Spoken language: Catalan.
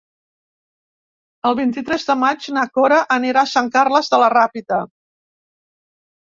El vint-i-tres de maig na Cora anirà a Sant Carles de la Ràpita.